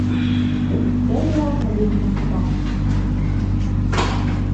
Tedda-yaɣ di nneqma.